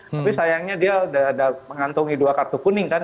tapi sayangnya dia ada mengantungi dua kartu kuning kan